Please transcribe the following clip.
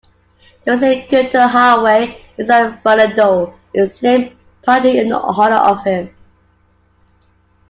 The Rienzi-Kirton Highway in San Fernanado is named partly in honour of him.